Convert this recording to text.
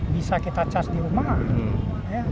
bisa kita cas di rumah